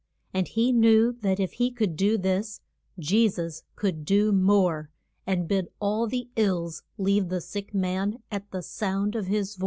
And he knew that if he could do this Je sus could do more, and bid all the ills leave the sick man at the sound of his voice.